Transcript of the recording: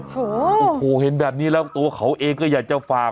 โอ้โหเห็นแบบนี้แล้วตัวเขาเองก็อยากจะฝาก